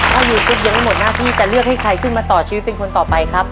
ถ้ายูกุ๊กยังไม่หมดหน้าที่จะเลือกให้ใครขึ้นมาต่อชีวิตเป็นคนต่อไปครับ